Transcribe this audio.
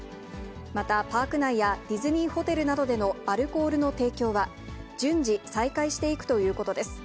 また、パーク内やディズニーホテルなどでのアルコールの提供は、順次再開していくということです。